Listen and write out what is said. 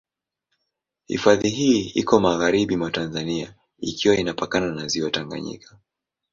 Hifadhi hii iko magharibi mwa Tanzania ikiwa inapakana na Ziwa Tanganyika.